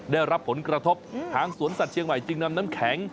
ได้รับผลกระทบทางสวนสัตว์เชียงใหม่จึงนำน้ำแข็ง